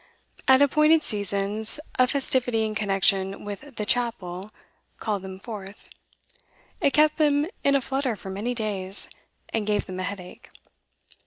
At appointed seasons, a festivity in connection with 'the Chapel' called them forth; it kept them in a flutter for many days, and gave them a headache.